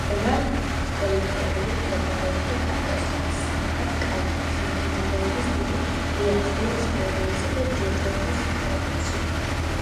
რაიონის ტერიტორია მდებარეობდა კავკასიონის სამხრეთ კალთებზე მდინარეების დიდი ლიახვის, ყვირილის და ჯეჯორის ხეობებში.